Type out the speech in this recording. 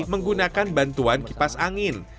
menggunakan bantuan kipas angin